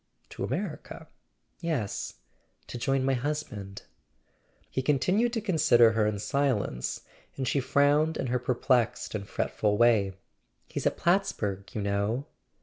"To America?" "Yes; to join my husband." He continued to consider her in silence, and she frowned in her perplexed and fretful way. "He's at Plattsburg, you know."